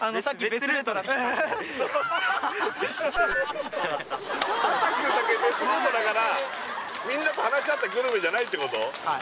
だったから泰くんだけ別ルートだからみんなと話し合ったグルメじゃないってこと？